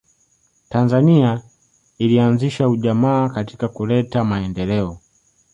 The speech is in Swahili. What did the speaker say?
tanzania ilianzisha ujamaa katika kuleta maendeleo